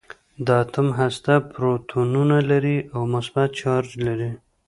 د اتوم هسته پروتونونه لري او مثبت چارج لري.